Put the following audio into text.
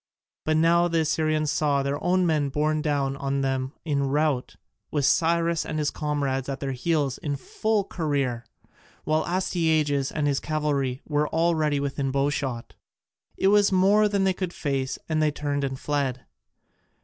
But now the Assyrians saw their own men borne down on them in rout, with Cyrus and his comrades at their heels in full career, while Astyages and his cavalry were already within bowshot. It was more than they could face, and they turned and fled.